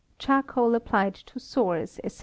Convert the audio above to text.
Charcoal applied to Sores, &c.